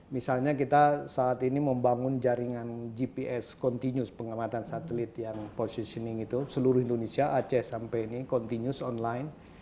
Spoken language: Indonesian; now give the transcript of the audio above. misalnya kita saat ini membangun jaringan gps continuous pengamatan satelit yang positioning itu seluruh indonesia aceh sampai ini continus online